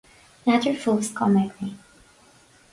ní fheadar fós cá mbeidh mé